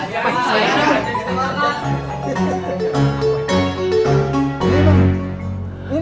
ajarin dong ajarin dong